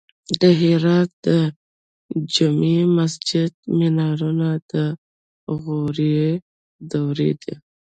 د هرات د جمعې مسجد مینارونه د غوري دورې دي